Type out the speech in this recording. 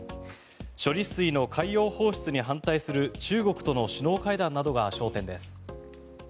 処理水の海洋放出に反対する中国との首脳会談などが焦点です。